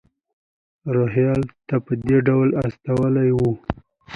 روهیال ته په دې ډول استولی و.